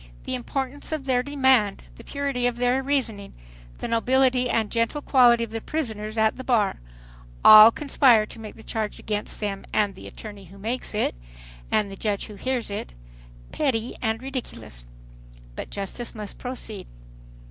The importance of their demand, the purity of their reasoning, the nobility and gentle quality of the prisoners at the bar; all conspire to make the charge against them, and the attorney who makes it, and the judge who hears it, petty and ridiculous. But justice must proceed.